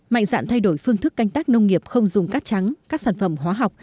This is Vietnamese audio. mạnh dạn thay đổi phương thức canh tác nông nghiệp không dùng cát trắng các sản phẩm hóa học